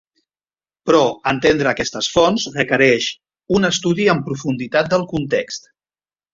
Però entendre aquestes fonts requereix un estudi amb profunditat del context.